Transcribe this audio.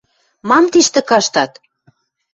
– Мам тиштӹ каштат?!